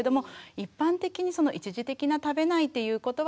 一般的にその一時的な食べないっていうことはですね